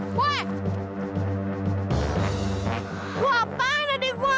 kuah paan adikwa